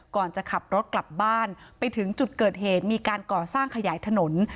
ก่อนจะขับรถกลับบ้านไปถึงจุดเกิดเหตุมีการก่อสร้างขยายถนน